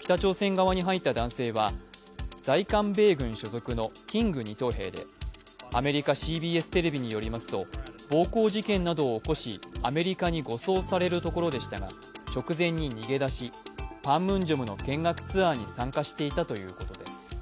北朝鮮側に入った男性は、在韓米軍所属のキング２等兵でアメリカＣＢＳテレビによりますと暴行事件などを起こしアメリカに護送されるところでしたが直前に逃げ出しパンムンジョムの見学ツアーに参加していたということです。